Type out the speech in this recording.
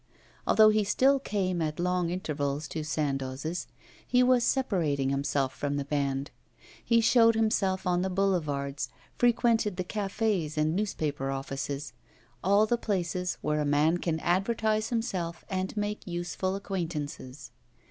Although he still came at long intervals to Sandoz's, he was separating from the band; he showed himself on the boulevards, frequented the cafés and newspaper offices all the places where a man can advertise himself and make useful acquaintances.